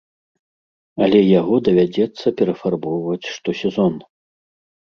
Але яго давядзецца перафарбоўваць штосезон.